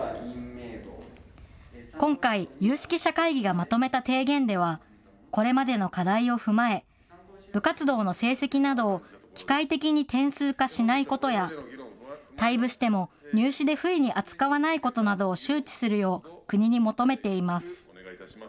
今回、有識者会議がまとめた提言では、これまでの課題を踏まえ、部活動の成績などを機械的に点数化しないことや、退部しても入試で不利に扱わないことなどを周知するよう国に求めています。